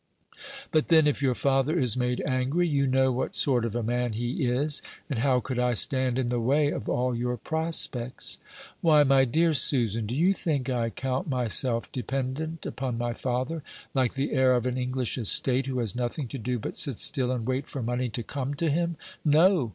"But, then, if your father is made angry, you know what sort of a man he is; and how could I stand in the way of all your prospects?" "Why, my dear Susan, do you think I count myself dependent upon my father, like the heir of an English estate, who has nothing to do but sit still and wait for money to come to him? No!